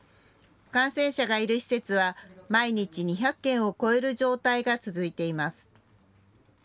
感染者がいる施設は毎日、２００件を超える状態が続いています。